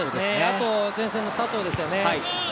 あと前線の佐藤ですよね。